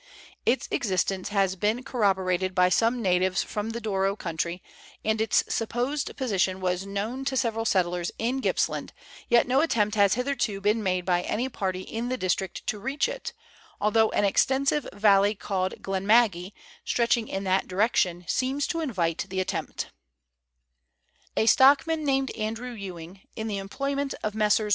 Its existence has been corroborated by some natives from the Doro country, and its supposed position was known to several settlers in Gippsland, yet no attempt has hitherto been made by any party in the district to reach it, although an extensive valley called G lenmaggie, stretching in that direction, seems to invite the attempt. A stockman, named Andrew Ewing, in the employment of Messrs.